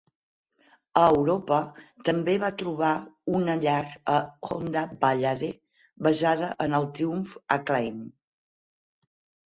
A Europa també va trobar una llar a Honda Ballade basada en el Triumph Acclaim.